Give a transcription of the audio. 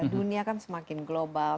dunia kan semakin global